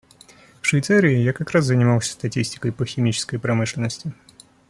В Швейцарии я как раз занимался статистикой по химической промышленности.